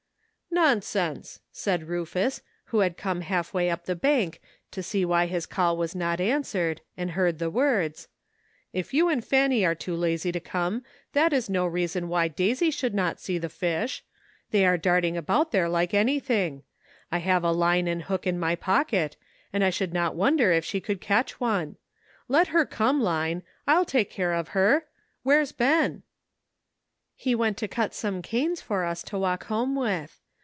"Nonsense!" said Rufus, who had come half way up the bank to see why his call was not answered, and heard the words, "if you and Fanny are too lazy to come, that is no reason why Daisy should not see the fish ; they are darting about there like everything. I have a line and hook in my pocket, and I should not wonder if she could catch one. Let her come, Line ; I'll take care of her. Where is Ben ?" "He went to cut some canes for us to walk home with.